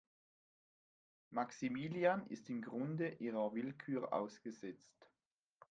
Maximilian ist im Grunde ihrer Willkür ausgesetzt.